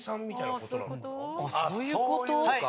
そういうことか。